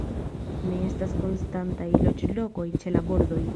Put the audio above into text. Ne estas konstantaj loĝlokoj ĉe la bordoj.